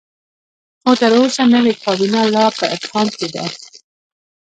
خو تر اوسه نوې کابینه لا په ابهام کې ده.